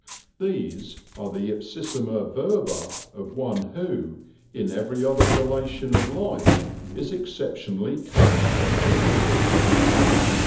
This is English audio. These are the ipsissima verba of one who, in every other relation of life, is exceptionally kind and genial.